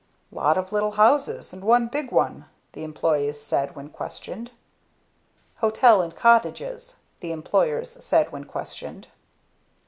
"Lot of little houses and one big one," the employees said when questioned. "Hotel and cottages," the employers said when questioned.